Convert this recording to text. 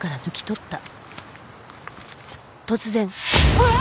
うわあっ！！